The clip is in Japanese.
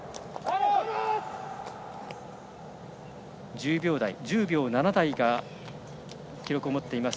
１０秒台、１０秒７台の記録を持っています